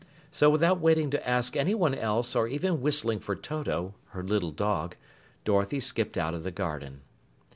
So without waiting to ask anyone else or even whistling for Toto, her little dog, Dorothy skipped out of the garden.